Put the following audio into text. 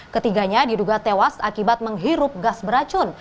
ketiganya diduga tewas akibat menghirup gas beracun